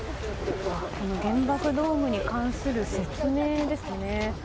原爆ドームに関する説明ですね。